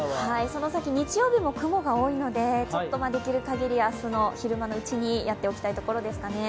その先日曜日も雲が多いのでできるかぎり明日の昼間のうちにやっておきたいところですかね。